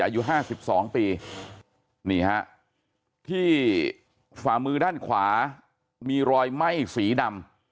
อายุ๕๒ปีนี่ฮะที่ฝ่ามือด้านขวามีรอยไหม้สีดำ